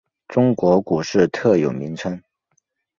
中国股市特有名称。